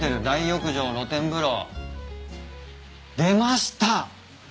「大浴場・露天風呂」出ました。